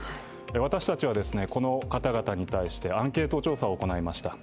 私たちはこの方々に対してアンケート調査を行いました。